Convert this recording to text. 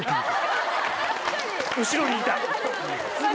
後ろにいた！